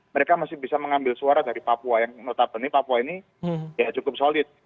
mereka masih bisa mengambil suara dari papua yang notabene papua ini ya cukup solid